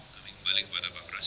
kami kembali kepada pak pras